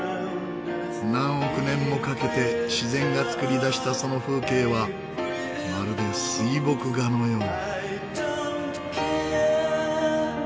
何億年もかけて自然が作り出したその風景はまるで水墨画のよう。